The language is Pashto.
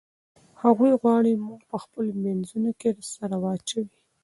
هغوی غواړي موږ په خپلو منځونو کې سره واچوي.